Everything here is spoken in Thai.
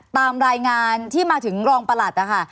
ตามรายงานที่มาถึงรองประหลัดนะคะ